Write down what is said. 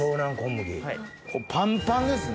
パンパンですね！